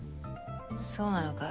そうなのかよ。